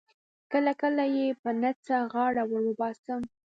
کله کله یې په نه څه غاړه ور وباسم.